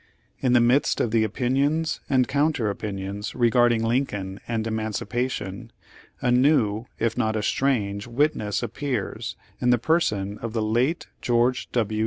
In the midst of the opinions and counter opin ions regarding Lincoln and emancipation, a new, if not a strange witness appears in the person of the late George W.